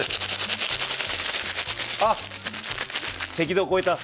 あっ赤道越えた。